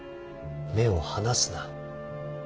目を離すな。